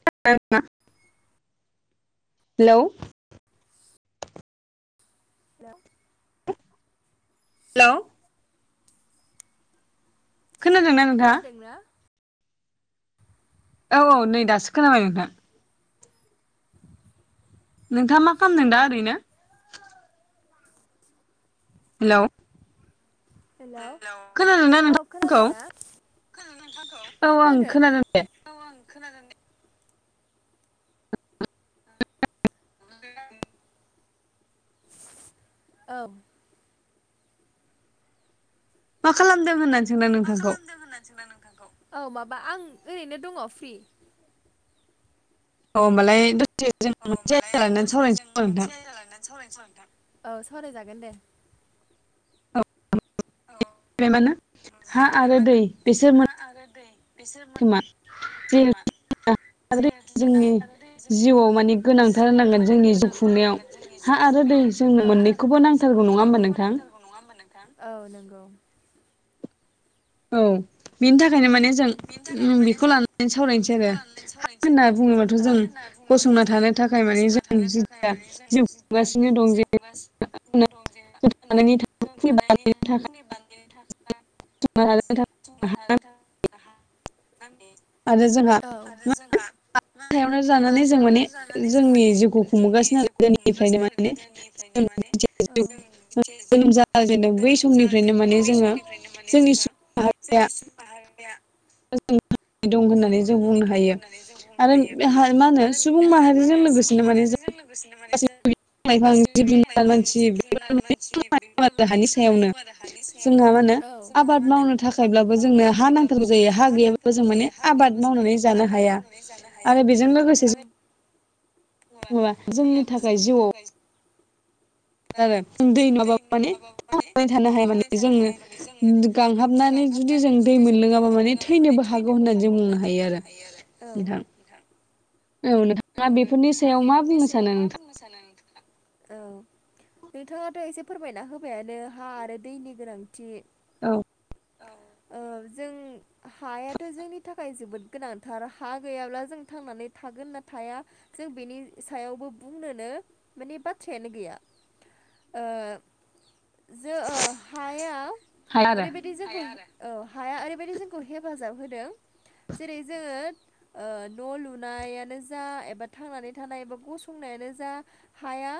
[unintelligible] Hello hello hello खोनादोंना नोंथाङा? खोनादोंना? औ औ नै दासो खोनाबाय नोंथां। [inaudible] नोंथाङा मा खामदों दा ओरैनो? हेलौ हेलौ खोनादोंना औ नोंथां आंखौ? खोनादों ना? औ औ आं खोनादों। दे औ आं खोनादों दे। [unintelligible] औ मा खालामदों होनना मा खालामदों होननानै सोंदां आं नोंथांखौ? औ माबा आं ओरैनो दङ फ्रि। औ होमबालाय दसे जों औ मोनसे आयदा होमबालाय लानानै दसे सावरायनोसै जों खोमा नोंथां मोनसे आयदा लानानै सावरायनोसै ओमबा नोंथां। औ सावरायजागोन दे। औ औ [unintelligible] हा आरो दै बिसोर मोन खोमा जिहेथु खोमा जिहेथु जोंना जोंनि दै जोंनि जिउआव माने गोनांथार जिउआव होनांगोन माने जोंनि जिउ गोनांथार खुंनायाव होनांगोन। हा आरो दै जोंनो मोननैखौबो नांथारगौ नङा होमबा नोंथां? नङा होनबा नोंथां औ नंगौ। औ। बेनि थाखायनो माने जों बेखौ लानानै सावरायनोसै आरो हा होनना बुङोबाथ' जों जेनेबाथ' गसंना जों थानो थाखाय माने गसंना जों थानो थाखाय जिथिया मानि जों जिउ जि खुंगासिनो दं जिउ जे खुं बिनो दं जे थांना थानायनि थानायनि बान्नो थाखाय [unintelligible] [unintelligible] औ जोंहा आरो जोंहा मा सायावनो जानानै जों हाथायावनो माने जानानै जों जोंनि माने जिउखौ जोंनि खुंबोगासिनो आरो जि गोदोनिफ्रायनो गुंफुंगासिनो आरो माने गोदोनिफ्रायनो माने जोनोम जों जिउ जाजेनो बै समनिफ्रायनो जाजेनदों माने बै जोङो समनिफ्रायनो माने जोंनि जोङो सुबुं माहारिया जोंनि सुबुं माहारिया [unintelligible] होननानै जों बुंनो दं हायो होननानै जों बुंनो आरो हायो मा होनो आरो सुबुं मा माहारिजों होनो सुबुं लोगोसेनो माने जों माहारिजों दसेनो मोने गासै जों बिफां लाइफां गासैबो जिब बि जुनार लाइफां मानसि जिब जुनार मानसि बेफोर माने हानि थांनानै सायावनो दङ आरो हानि जोंहा मा सायावनो होनो औ जोंहा मा आबाद होनो मावनो आबाद थाखायब्लाबो मावनो जोंनो हा थाखाय नांथारगौ जोंनो जायो हा गैयाब्लाबो नांथारगौ जों माने जायो हा आबाद गैयाब्ला जों मावनानै माने जानो आबाद हाया मावनानै जानो हाया आरो बेजों लोगोसे ओ नाया माबा जोंनि दैयाबो थाखाय जोंनि जिउआव थाखाय आरो जों दै नुवाबाबो माने दै थानो हाया माने जों गांहाबनानै जुदि जों दै मोनलोङाबा माने थैनोबो हागौ होननानै जों बुंनो हायो आरो औ नोंथां आ थां औ नोंथाङा बेफोरनि सायाव मा बुंनो सानो नोंथां। माबुंनोसानो नोंथाङा औ नोंथाङाथ' एसे फोरमायना होबायानो हा आरो दैनि गोनांथि औ। औ ओ जों हायाथ' जोंनि थाखाय जोबोद गोनांथार हा गैयाब्ला जों थांनानै थागोन ना थाया जों बेनि सायावबो बुंनोनो माने बाथ्रायानो गैया। ओ जो ओ हाया हाया आरो ओरैबायदि जोंखौ औ हाया ओरैबायाददि जोंखौ हेफाजाब होदों जेरै जोङो ओ न' लुनायानो जा एबा थांनानै थानाय बा गसंनायानो जा हाया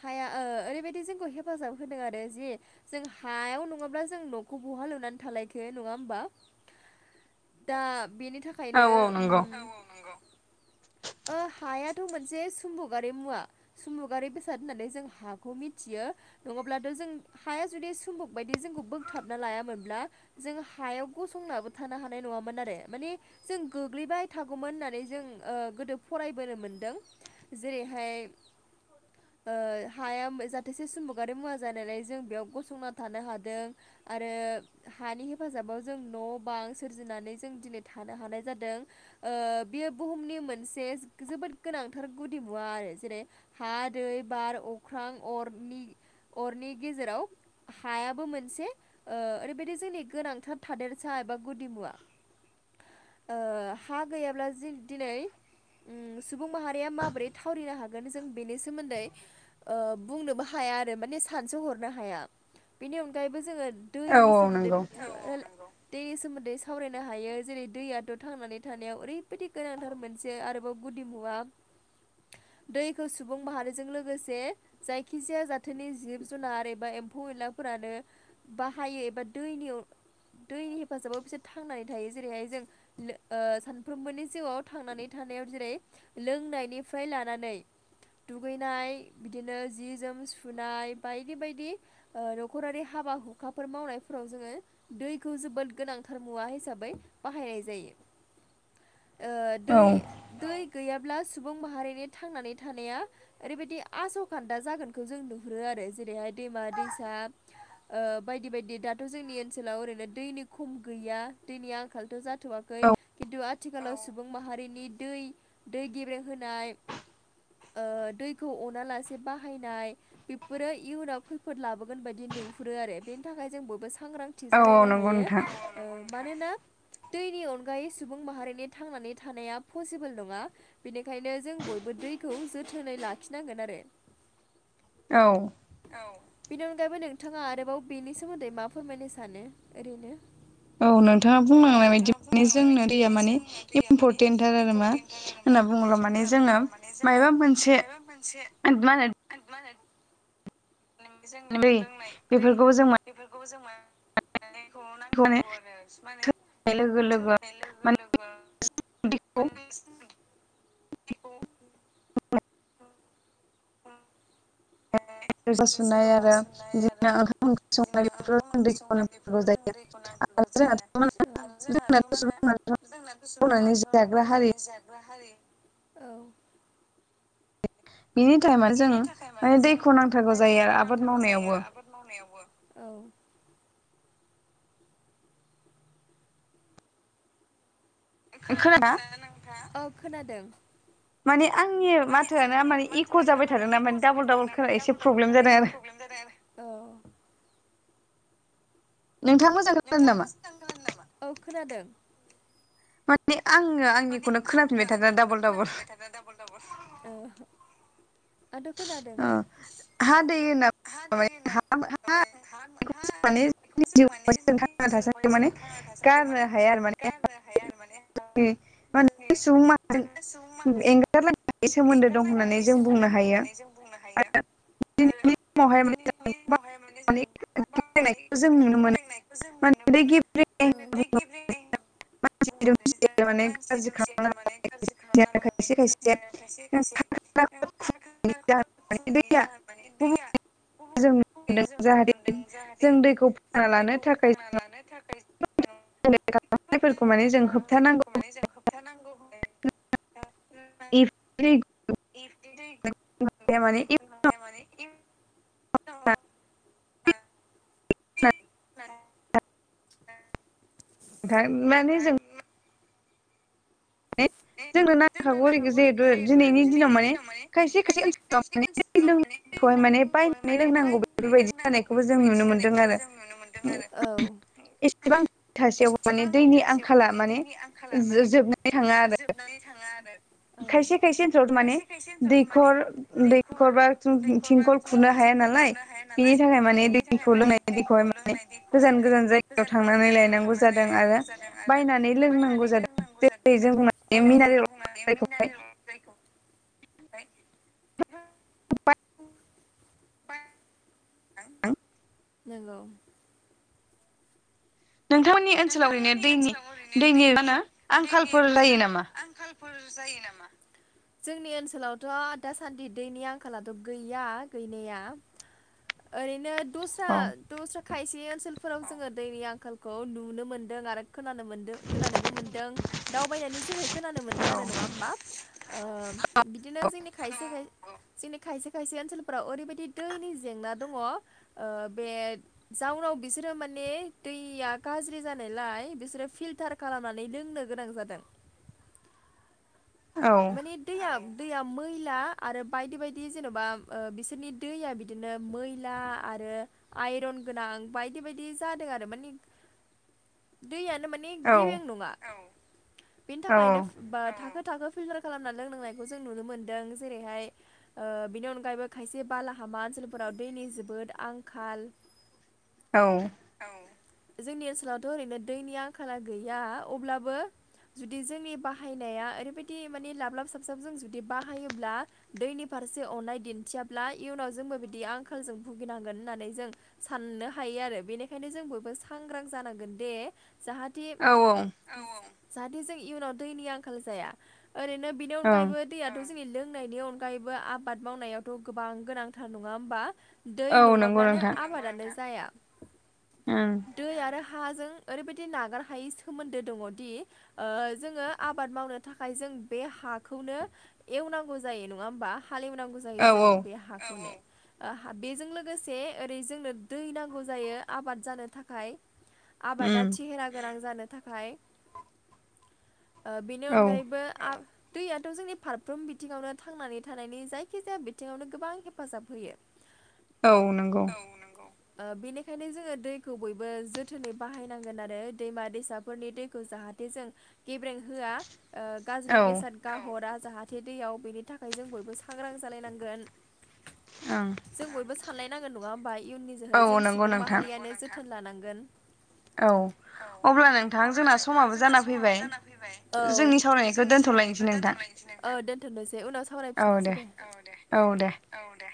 हाया ओ ओरैबायदि जोंखौ हेफाजाब होदों आरो जि जों हायाव नङाब्ला जों न'खौ बहा लुनानै थालायखो नङा होमबा? [inaudible] दा बेनि औ थाखायनो औ नंगौ ओम औ औ नंगौ। ओ हायाथ' मोनसे सुमबुगारि मुवा सुमबुगारि बेसाद होननानै जों हाखौ मिथियो नङाब्लाथ' जों हाया जुदि सुम्बुक बायदि जोंखौ बोगथाबना लायामोनब्ला जों हायाव गसंनाबो थानो हानाय नङामोन आरो मानि जों गोग्लैबाय थागौमोन होननानै जों ओ गोदो फरायबोनो मोनदों जेरैहाय [inaudible] ओ हाया जाहाथोसे सुम्बगारि मुवा जानायालाय जों बेयाव गसंना थानो हादों। आरो हानि हेफाजाबाव जों न' बां सोरजिनानै जों दिनै थानो हानाय जादों। ओ बेयो बुहुमनि मोनसे जोबोद गोनांथार गुदि मुवा आरो जेरै हा दै बार अख्रां अरनि अरनि गेजेराव हायाबो मोनसे ओ ओरैबायदि जोंनि गोनांथार थादेरसा एबा गुदि मुवा। ओ हा गैयाब्ला जि दिनै सुबुं माहारिया माबोरै थावरिनो हागोन जों बेनि सोमोन्दै बुंनोबो हाया आरो माने सानसो हरनो हाया बेनि अनगायैबो जोङो औ दैनि औ सोमोन्दै नंगौ दैनि सोमोन्दै सावरायनो हायो जेरै दैयाथ' थांनानै थानायाव ओरैबायदि गोनांथार मोनसे आरो गुदि मुवा दैखौ सुबुं माहारिजों लोगोसे जायखिजाया जाथोननि जिब जुनार एबा एम्फौ एनलाफोरानो बाहायो एबा दैनियाव दैनि हेफाजाबाव बिसोर थांनानै थायो जेरैहाय जों सानफ्रोमबोनि जिउआव थांनानै थानायाव जों लोंनायनिफ्राय लानानै दुगैनाय बिदिनो जि जोम सुनाय बायदि बायदि ओ न'खरारि हाबा हुखाफोर मावनायफोराव जोङो दैखौ जोबोद गोनांथार मुवा हिसाबै बाहायनाय जायो [inaudible] औ दै दै गैयाब्ला सुबुं माहारिनि थांनानै थानाया ओरैबायदि आस'खान्दा जागोनखौ जों नुहुरो आरो जेरैहाय दैमा दैसा बायदि बायदि दाथ' जोंनि ओनसोलाव ओरैनो दैनि खम गैया दैनि आंखालथ' जाथे थ'वाखै औ खिन्थु आथिखालाव सुबुं माहारिनि दै दै गेब्रे होनाय दैखौ अना लासे बाहायनाय बेफोरो इयुनाव खैफोद लाबोगोन बायदि नुहुरो आरो बेनि थाखाय जों बयबो सांग्रांथि थिग औ औ जालायनो नंगौ हायो नोंथां मानोना दैनि अनगायै सुबुं माहारिनि थांनानै थानाया पसिबोल नङा बेनिखायनो जों बयबो दैखौ जोथोनै लाखिनांगोन आरो औ औ बेनि अनगायैबो नोंथाङा आरोबाव बेनि सोमोन्दै मा फोरमायनो सानो ओरैनो औ नोंथाङा बुंलांनाय बायदि माने जोंनो दैया मानि इम्परटेन्ट मा होनना बुंङोब्ला मानि जोङो माबा मोनसे मा होनो मा होनो बेफोरखौबो जों मोन बेफोरखौबो जों मा खौ माने नांथारगौ आरो माने लोगो लोगो थोननाय लोगो माने लोगो दैखौ [unintelligible] [inaudible] रोजा [unintelligible] थोरसि सुनाय लथा आरो सुनाय आरो बिदिनो ओंखाम ओंख्रि संनाय बिना बेफोराव ओंखाम जों ओंख्रि दैखौ संनाय नांथारगौ बेफोराव जों जायो दै आरो नब जायो जोंहाथ' जोंहाथ' मा जोंनाथ' होनो सुबुं जोंनाथ' सुब म' मावनानै जाग्रा मावनानै हारि बि जाब्रा हारि औ बिनि टाइमा जों माने दैखौ नांथारगौ जायो आरो आबाद मावनायावबो जाद मावनायावबो औ खोनादोंना खोनादों ना नोंथां औ खोनादों माने आंनि माने माथोआनो आंनि माने इक' माथोआ ना जाबाय माने थादोंना इक' जाबाय डाबल थादों ना खोना माने एसे डाबल डाबल प्रब्लेम खा जादों एसे आरो प्रब्लेम जादों आरो औ नोंथाङा मोजां खोनादों नामा मोजां खोनादों नामा औ खोनादों माने आंङो माने आङो आंनिखौनो खोनफिनबाय थादों डाबल डाबल आाथ' खोनादों हा दै होनना हा दै ना ह हा माने बेखौ जिउआव जों मानेनि थांना थासान्दियाव माने थांनानै थासान्दियाव गारनो माने हाया आरो माने गारनो हाया आरो माने सुबुं माहारिजों मोना सुबुं माह जों एंगारलायनो हायै सोमोन्दो दं होननानै एंगारलायनानै जों सोमोन्दो बुंनो दं हायो होननानै जों बुंनो हायो आरो [inaudible] दिनैनि समावहाय माने जों गोबां माने जों नुनो मोनो [unintelligible] जों माने नुनो दै मोनो गेब्रेंनाय [unintelligible] [unintelligible] खालामना जों खायसे खायसे [unintelligible] माने दैया गुबुन जों [unintelligible] नुदों जाहाथे जों दैखौ फोथांना लानो थाखाय [unintelligible] [unintelligible] माने जों होबथा नांगौ [unintelligible] माने [unintelligible] [unintelligible] [inaudible] थारमाने जों माने ए जोंनो नांखागौ नाखा हलैग जिहेथु दिनैनि दिनाव माने खायसे ओनसोलाव खायसे माने दै लोंनायखौहाय माने बायनानै लोंनांगौ बेफोरबायदि जानायखौबो जों नुनो मोनदों आरो [unintelligible] एसेबां [unintelligible] औ थासेयाव माने दैनि एसेबांथासेयावबो आंखाला माने दैनि आंखाला माने जोबनानै थाङा आरो जोबनानै थाङा आरो औ खायसे खायसे ओनसोलावथ' माने खायसे खायसे ओनसोलाव थारमाने दैखर दैखर दैखर बा थिंखल खुरनो हाया थिंखल नालाय खुनो हाया बिनि नालाय थाखाय औ माने बेनि थाखाय दैखौ माने लोंनाय दैखौहाय दैखौ लोंनाय दैखौहाय गोजान माने गोजान जायगायाव गोजान गोजान - थांनानै जायगायाव लायनांगौ थांनानै जादों आरो लायनांगौ जादों आरो बायनानै लोंनांगौ बायनानै जादों लोंनांगौ जादों जेरै जों बुंनो मिनारेल दैखौ [unintelligible] [unintelligible] नोंथांमोननि ओनसोलाव ओरैनो नोंथांमोननि दैनि ओनसोलाव ओरैनो मा दैनि होनो दैनि आंखालफोर मा जायो होनो नामा? आंखाल फोर जायो नामा? जोंनि ओनसोलावथ' दासान्दि दैनि आंखालाथ' गैया गैनाया [inaudible] ओरैनो दस्रा औ दस्रा खायसे ओनसोलफोराव जोङो दैनि आंखालखौ नुनो मोनदों आरो खोनानो खोनानोबो मोनदों दावबाय जो खोनानो मोन्दों आरो नङा होमबा ओ बिदिनो जोंनि खायसे खाय जोंनि खायसे खायसे ओनसोलफ्राव ओरैबायदि दैनि जेंना दङ ओ बे जाउनाव बिसोरो माने दैया गाज्रि जानायलाय बिसोरो फिल्टार खालामनानै लोंनो गोनां जादों। औ। माने दैया दैया मैला आरो बायदि बायदि जेन'बा ओ बिसोरनि दैया बिदि बिदिनो मैला आरो आइरन गोनां बायदि बायदि जादों आरो मानि दैयानो माने औ गेबें नङा। बेनि औ थाखायनो बा थाखो थाखो फिल्टार खालामना लोंनांनायखौ जों नुनो मोनदों जेरैहाय ओ बिनि अनगायैबो खायसे बालाहामा ओनसोलफोराव दैनि जोबोद आंखाल औ। औ। जोंनि ओनसोलावथ' ओरैनो दैनि आंखाला गैया अब्लाबो जुदि जोंनि बाहायनाया ओरैबायदि माने लाबलाब साबसाब जों जुदि बाहायोब्ला दैनि फारसे अननाय दिन्थियाब्ला इयुनाव जोंबो बिदि आंखालजों भुगिनांगोन होननानै जों साननो हायो आरो बेनिखायनो जों बयबो सांग्रां जानांगोन दे जाहाथे दि औ -औ। जाहाथे जों इयुनाव दैनि आंखाल जाया ओरैनो बिनि अनगायैबो दैयाथ' जोंनि लोंनायनि अनगायैबो आबाद मावनायावथ' गोबां गोनांथार नङा होमबा। दै औ नंगौ नङाब्लानो नोंथां आबादानो जाया। ओं [inaudible] दै आरो हाजों ओरैबायदि नागार हायि सोमोन्दो दङदि ओ जोङो आबाद मावनो थाखाय जों बे हाखौनो एवनांगौ जायो नङा होमबा हालेवनांगौ जायो औ जों औ बे हाखौनो। ओ बेजों लोगोसे ओरै जोंनो दै नांगौ जायो आबाद जानो थाखाय आबादा उम थिहेरा गोनां जानो थाखाय ओ बेनि औ अनगायैबो आ दैयाथ' जोंनि फारफ्रोम बिथिङावनो थांनानै थानायनि जायखिजाया बिथिङावनो गोबां हेफाजाब होयो। औ नंगौ। ओ बेनिखायनो जोङो दैखौ बयबो जोथोनै बाहायनांगोन आरो दैमा दैसाफोरनि दैखौ जाहा थे जों गेब्रें होआ ओ गाज्रि औ बेसाद गाहरा जाहाथे दैयाव बेनि थाखाय जों बयबो सांग्रां जालायनांगोन। ओं जों बयबो सानलायनांगोन नङा होमबा इयुननि औ जोहै जों नंगौ सुबुं नोंथां माहारियानो जोथोन लानांगोन। औ औ अब्ला नोंथां अब्ला जोंना नोंथां समाबो जोंना जाना समाबो फैबाय जाना फैबाय औ। जोंनि सावरायनायखौ जोंनि दोनथ'लायनोसै सावरायनायखौ नोंथां दोनथ'लायनोसै औ दोन्थ'नोसै उनाव सावरायफिननोसै दे औ दे। औ दे।